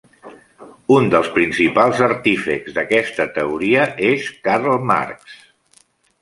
Un dels principals artífexs d'aquesta teoria és Karl Marx.